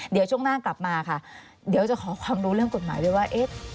เดี๋ยวช่วงหน้ากลับมาค่ะเดี๋ยวจะขอความรู้เรื่องกฎหมายด้วยว่าเอ๊ะ